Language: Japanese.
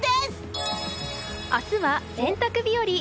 明日は、洗濯日和。